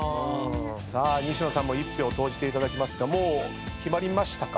さあ西野さんも１票投じていただきますがもう決まりましたか？